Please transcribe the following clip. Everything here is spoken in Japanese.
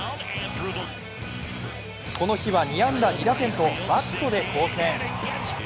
この日は２安打２打点とバットで貢献。